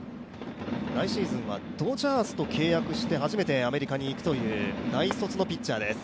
来シーズンはドジャースと契約して初めてアメリカに行くという大卒のピッチャーです。